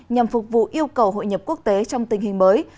nhằm phục vụ yêu cầu hội nhập quốc tế trong tình hình mới